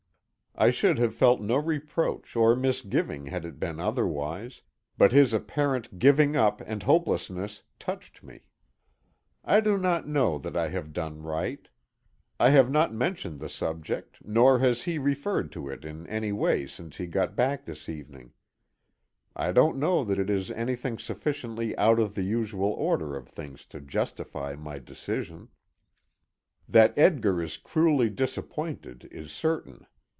I should have felt no reproach or misgiving had it been otherwise, but his apparent giving up, and hopelessness, touched me. I do not know that I have done right. I have not mentioned the subject, nor has he referred to it in any way since he got back this evening. I don't know that it is anything sufficiently out of the usual order of things to justify my decision. That Edgar is cruelly disappointed is certain.